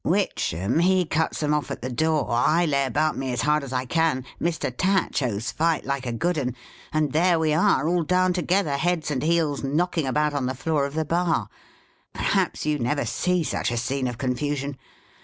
Witchem, he cuts 'em off at the dotfr, I lay about me as hard as I can, Mr. Tatt shows fight like a good 'un, and there we are, all down together, heads and heels, knocking about on the floor of the bar — perhaps you never see such a scene of confusion